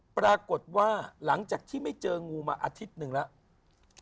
ปรากฏว่าหลังจากที่ไม่เจองูมาอาทิตย์หนึ่งแล้ว